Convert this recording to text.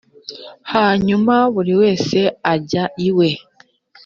hanyuma buri wese ajya iwe